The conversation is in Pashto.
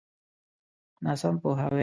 ناسم پوهاوی.